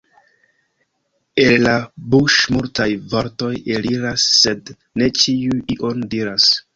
El la buŝ' multaj vortoj eliras, sed ne ĉiuj ion diras.